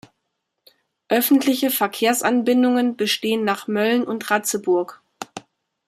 Öffentliche Verkehrsanbindungen bestehen nach Mölln und Ratzeburg.